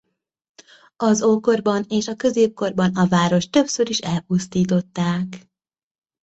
Az ókorban és a középkorban a várost többször is elpusztították.